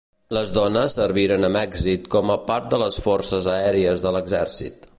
Les dones serviren amb èxit com a part de les Forces Aèries de l'Exèrcit.